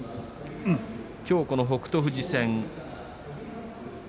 きょう、北勝富士戦。